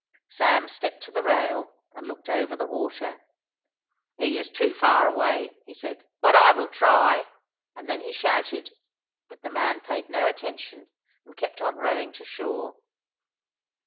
Sam stepped to the rail and looked over the water. "He is too far away," he said, "but I will try." And then he shouted, but the man paid no attention, and kept on rowing to shore.